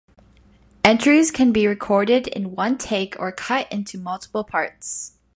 Entries can be recorded in one take or cut into multiple parts.